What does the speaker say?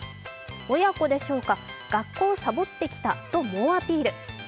親子でしょうか、学校サボってきたと猛アピール。